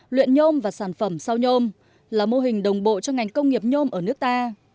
luyện nhôm và sản phẩm sau nhôm là mô hình đồng bộ cho ngành công nghiệp nhôm ở nước ta